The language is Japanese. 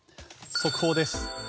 速報です。